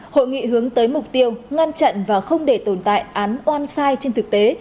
hội nghị hướng tới mục tiêu ngăn chặn và không để tồn tại án on site trên thực tế